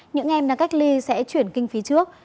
những em đang cách ly sẽ chuyển kinh phí trước